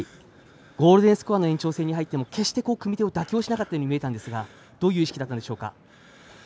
ゴールデンスコアの延長戦に入っても決して組み手を妥協しなかったように見えましたがどういう意識だったんでしょうか。